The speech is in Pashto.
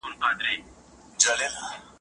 آیا ستور پېژندنه یو علم نه دی؟